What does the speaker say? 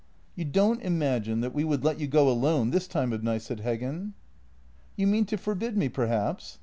" You don't imagine that we would let you go alone this time of night? " said Heggen. " You mean to forbid me, perhaps?